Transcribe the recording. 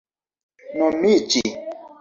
nomiĝi